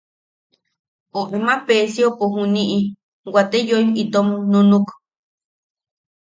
O ama Peesiopo juniʼi wate yoim itom nunuʼuk.